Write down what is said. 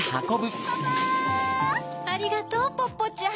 ありがとうポッポちゃん。